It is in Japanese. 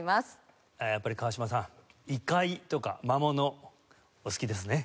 やっぱり川島さん異界とか魔物お好きですね？